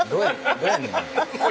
どうやねん？